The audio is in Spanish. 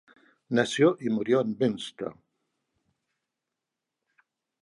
Nació y murió en Münster.